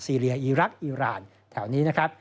เรียอีรักษ์อีรานแถวนี้นะครับ